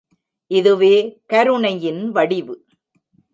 இதுவே கருணையின் வடிவு.